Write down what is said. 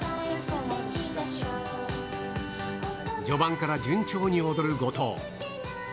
序盤から順調に踊る後藤。